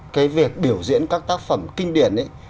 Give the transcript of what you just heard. cái việc biểu diễn các tác phẩm kinh điển ấy